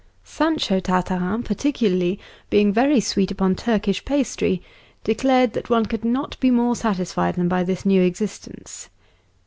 Sancho Tartarin particularly, being very sweet upon Turkish pastry, declared that one could not be more satisfied than by this new existence.